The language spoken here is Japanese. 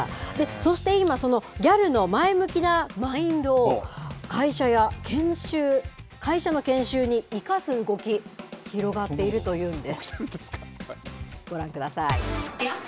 そして今、そのギャルの前向きなマインドを、会社の研修に生かす動き、広がっているというんです。